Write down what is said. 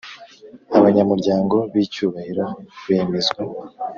Abanyamuryango b’icyubahiro bemezwa